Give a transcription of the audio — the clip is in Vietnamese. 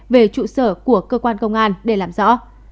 về trụ sở của cơ quan công an để làm rõ